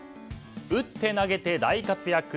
打って投げて大活躍